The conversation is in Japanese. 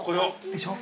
◆でしょう。